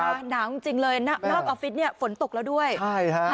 หนาวจริงจริงเลยนอกออฟฟิศเนี่ยฝนตกแล้วด้วยใช่ฮะ